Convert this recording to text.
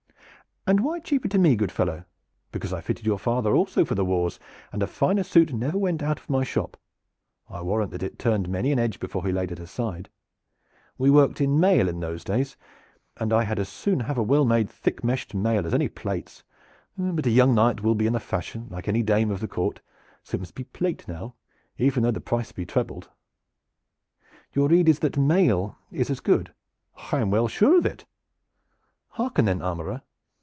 "And why cheaper to me, good fellow?" "Because I fitted your father also for the wars, and a finer suit never went out of my shop. I warrant that it turned many an edge before he laid it aside. We worked in mail in those days, and I had as soon have a well made thick meshed mail as any plates; but a young knight will be in the fashion like any dame of the court, and so it must be plate now, even though the price be trebled." "Your rede is that the mail is as good?" "I am well sure of it." "Hearken then, armorer!